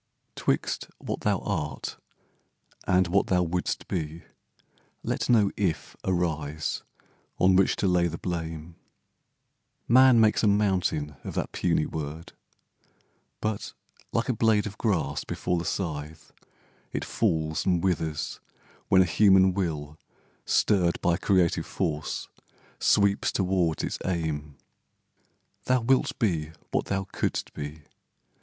IF 'Twixt what thou art, and what thou wouldst be, let No "If" arise on which to lay the blame. Man makes a mountain of that puny word, But, like a blade of grass before the scythe, It falls and withers when a human will, Stirred by creative force, sweeps toward its aim. Thou wilt be what thou couldst be.